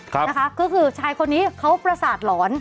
ครับนะคะก็คือชายคนนี้เขาประสาทหลอน